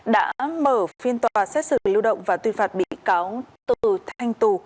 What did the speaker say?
đã mở phiên tòa xét xử lưu động và tuyên phạt bị cáo từ thanh tù